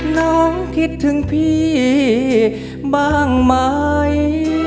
น้องคิดถึงพี่บ้างไหม